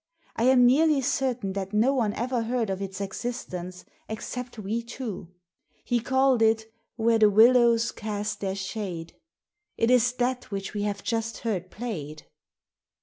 I am nearly certain that no one ever heard of its existence except we two. He called it * Where the Willows cast their Shade.' It is that which we have just heard played."